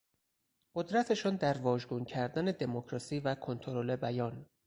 قدرتشان در واژگون کردن دموکراسی و کنترل بیان